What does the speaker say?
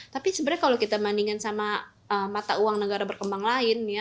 tapi sebenarnya kalau kita bandingkan sama mata uang negara berkembang lain ya